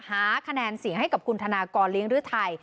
หาคะแนนเสียงให้กับคุณธนากรเลี้ยงฤทัย